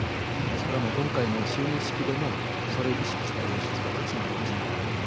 ですから今回の就任式でも、それを意識した演出がたくさんありましたけどね。